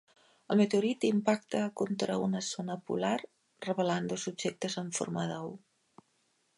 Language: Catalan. El meteorit impacta contra una zona polar, revelant dos objectes en forma d'ou.